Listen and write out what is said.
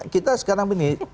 kita sekarang ini